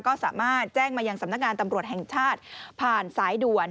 ก็สามารถแจ้งมายังสำนักงานตำรวจแห่งชาติผ่านสายด่วน